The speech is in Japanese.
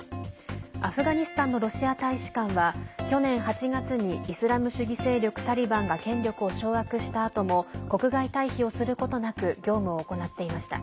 アフガニスタンのロシア大使館は去年８月にイスラム主義勢力タリバンが権力を掌握したあとも国外退避をすることなく業務を行っていました。